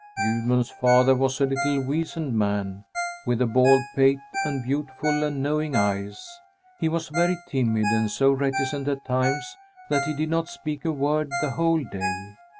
Gudmund's father was a little weazened man, with a bald pate and beautiful and knowing eyes. He was very timid, and so reticent at times that he did not speak a word the whole day.